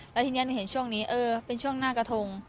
แล้วทีนี้หนูเห็นช่วงนี้เออเป็นช่วงหน้ากระทง